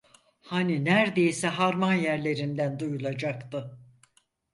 Hani nerdeyse harman yerlerinden duyulacaktı.